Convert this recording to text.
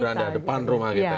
beranda depan rumah kita